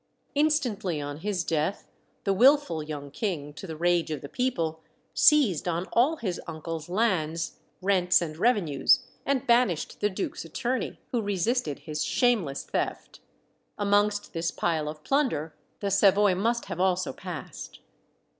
Instantly on his death, the wilful young king, to the rage of the people, seized on all his uncle's lands, rents, and revenues, and banished the duke's attorney, who resisted his shameless theft. Amongst this pile of plunder the Savoy must have also passed.